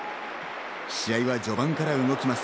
試合は序盤から動きます。